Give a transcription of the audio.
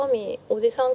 おじさん？